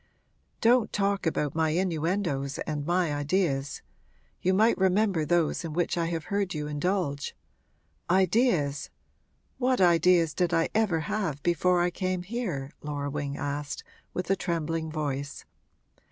'Don't talk about my innuendoes and my ideas you might remember those in which I have heard you indulge! Ideas? what ideas did I ever have before I came here?' Laura Wing asked, with a trembling voice.